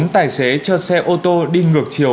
bốn tài xế cho xe ô tô đi ngược chiều